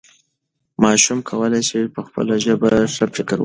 ماشوم کولی سي په خپله ژبه ښه فکر وکړي.